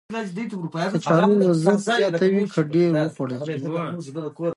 کچالو وزن زیاتوي که ډېر وخوړل شي